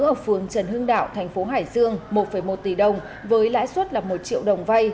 ở phường trần hưng đạo thành phố hải dương một một tỷ đồng với lãi suất là một triệu đồng vay